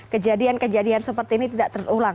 kejadian kejadian seperti ini tidak terulang